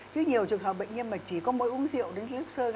chứ nhiều trường hợp bệnh nhân mà chỉ có mỗi uống rượu đến dưới lúc sơ